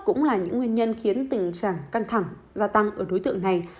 cũng là những nguyên nhân khiến tình trạng căng thẳng gia tăng ở đối tượng này